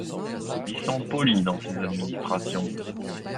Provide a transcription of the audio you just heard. Ils sont polis dans ces administrations !